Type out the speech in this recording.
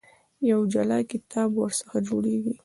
یو جلا کتاب ورڅخه جوړېږي.